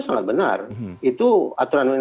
sangat benar itu aturan